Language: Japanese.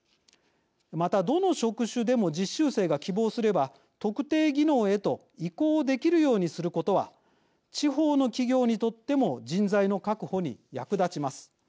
また、どの職種でも実習生が希望すれば特定技能へと移行できるようにすることは地方の企業にとっても人材の確保に役立ちます。